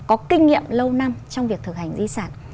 có kinh nghiệm lâu năm trong việc thực hành di sản